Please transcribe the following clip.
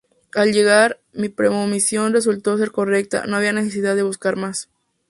Al llegar, mi premonición resultó ser correcta: no había necesidad de buscar más".